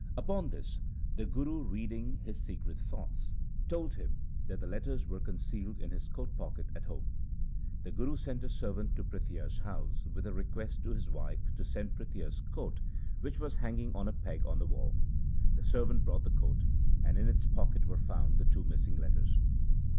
Upon this the Guru, reading his secret thoughts, told him that the letters were concealed in his coat pocket at home. The Guru sent a servant to Prithia's house with a request to his wife to send Prithia's coat which LIFE OF GURU RAM DAS 281 was hanging on a peg on the wall. The servant brought the coat, and in its pocket were found the two missing letters